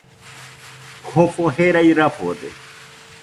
Jofo jerai rafode